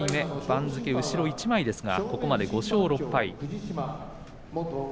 番付後ろ一枚ですがここまで５勝６敗。